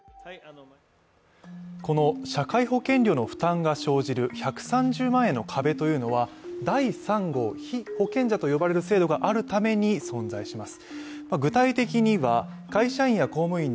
この社会保険料の負担が生じる１３０万円の壁というのは、第３号被保険者と呼ばれる制度があるために存在します。